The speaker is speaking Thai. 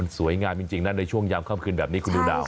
โอ้โหมันสวยงามจริงนั่นในช่วงยามค่ำคืนแบบนี้คุณดิวดาว